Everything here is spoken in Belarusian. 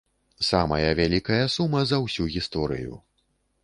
Самая вялікая сума за ўсю гісторыю.